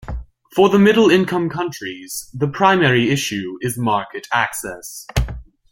For the middle-income countries, the primary issue is market access.